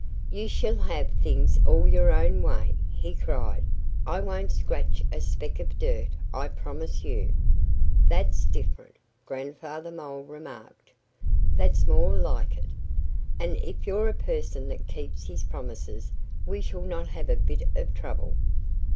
"You shall have things all your own way!" he cried. "I won't scratch a speck of dirt, I promise you!" "That's different," Grandfather Mole remarked. "That's more like it. And if you're a person that keeps his promises we shall not have a bit of trouble."